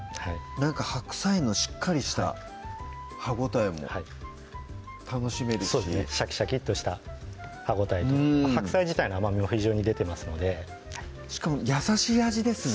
白菜のしっかりした歯応えも楽しめるしシャキシャキッとした歯応えとうん白菜自体の甘みも非常に出てますのでしかも優しい味ですね